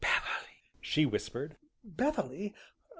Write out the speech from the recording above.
"Beverley!" she whispered. "Beverley!